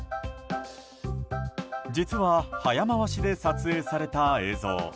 実は、早回しで撮影された映像。